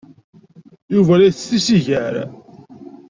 Yuba la isett tisigar.